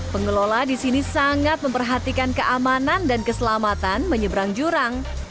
pengelola di sini sangat memperhatikan keamanan dan keselamatan menyeberang jurang